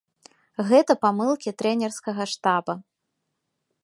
Гэта памылкі трэнерскага штаба.